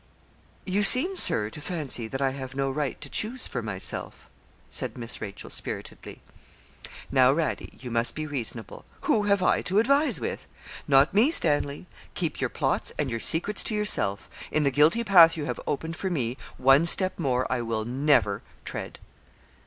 'You seem, Sir, to fancy that I have no right to choose for myself,' said Miss Rachel, spiritedly. 'Now, Radie, you must be reasonable who have I to advise with?' 'Not me, Stanley keep your plots and your secrets to yourself. In the guilty path you have opened for me one step more I will never tread.'